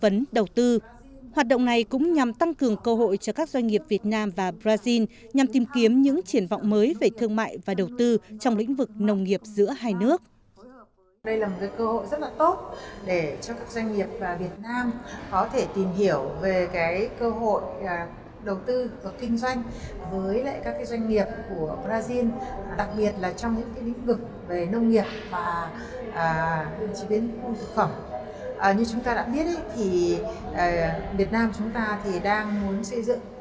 như chúng ta đã biết việt nam đang muốn xây dựng nền nông nghiệp hiện đại